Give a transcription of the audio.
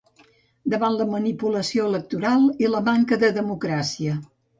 Davant la manipulació electoral i la manca de democràcia.